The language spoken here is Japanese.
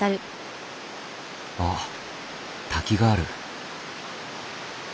あっ滝がある。